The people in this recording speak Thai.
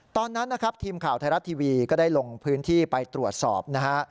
ตอนนั้นนะครับทีมข่าวไทยรัฐทีวีก็ได้ลงพื้นที่ไปตรวจสอบนะฮะ